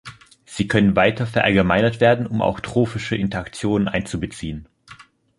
Sie können weiter verallgemeinert werden, um auch trophische Interaktionen einzubeziehen.